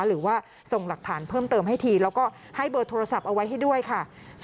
หรือว่าส่งหลักฐานเพิ่มเติมให้ทีแล้วก็ให้เบอร์โทรศัพท์เอาไว้ให้ด้วยค่ะ